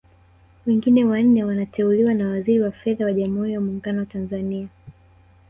Wengine wanne wanateuliwa na Waziri wa Fedha wa Jamhuri ya Muungano wa Tanzania